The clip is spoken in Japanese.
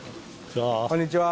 こんにちは。